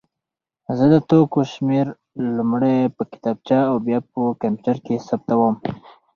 زه د توکو شمېر لومړی په کتابچه او بیا په کمپیوټر کې ثبتوم.